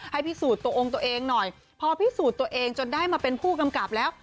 ให้พิสูจน์ตัวองค์ตัวเองหน่อยพอพิสูจน์ตัวเองจนได้มาเป็นผู้กำกับแล้ว